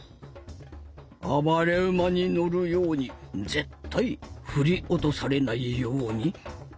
暴れ馬に乗るように絶対振り落とされないように。